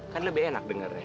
kan lebih enak denger ya